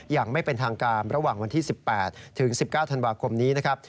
อย่างไม่เป็นทางการระหว่างวันที่๑๘ถึง๑๙ธันวาคมนี้นะครับ